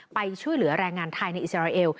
ไปช่วยเหลือแรงงานไทยในอิสราเอล